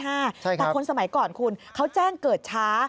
แต่คนสมัยก่อนคุณเขาแจ้งเกิดช้า